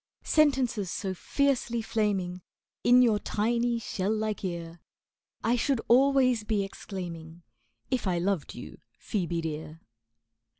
Sentences so fiercely flaming In your tiny, shell like ear, I should always be exclaiming If I loved you, Ph[oe]be dear.